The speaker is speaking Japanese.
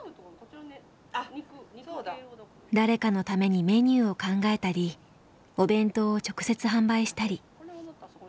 誰かのためにメニューを考えたりお弁当を直接販売したり。